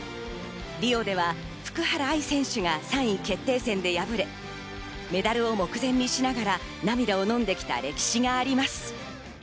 リオでは福原愛選手が３位決定戦で敗れ、メダルを目前にしながら涙をのんできた歴史があります。